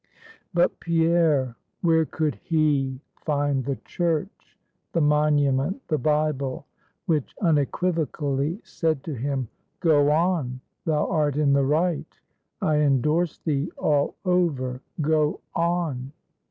But Pierre where could he find the Church, the monument, the Bible, which unequivocally said to him "Go on; thou art in the Right; I endorse thee all over; go on."